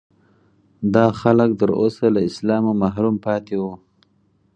دا خلک تر اوسه له اسلامه محروم پاتې وو.